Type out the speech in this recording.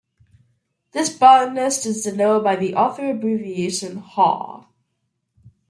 This botanist is denoted by the author abbreviation Haw.